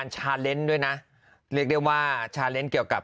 แต่ดีนะตัดซะเองนะ